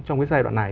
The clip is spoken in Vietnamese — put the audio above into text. trong giai đoạn này